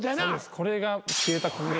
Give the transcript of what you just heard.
これが消えた根源。